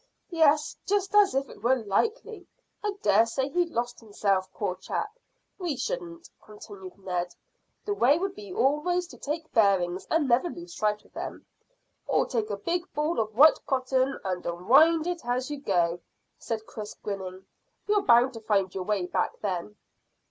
"Yes. Just as if it was likely! I dare say he lost himself, poor chap. We shouldn't," continued Ned. "The way would be always to take bearings, and never lose sight of them." "Or take a big ball of white cotton and unwind it as you go," said Chris, grinning. "You're bound to find your way back then."